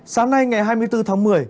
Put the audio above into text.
sáng nay ngày hai mươi bốn tháng một mươi